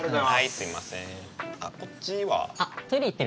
すいません。